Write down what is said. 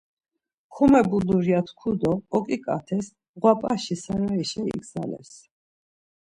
Komebulur ya tku do oǩiǩates mapaşi sarayişa igzales.